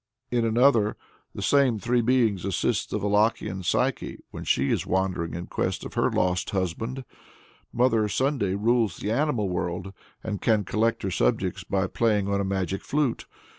In another, the same three beings assist the Wallachian Psyche when she is wandering in quest of her lost husband. Mother Sunday rules the animal world, and can collect her subjects by playing on a magic flute.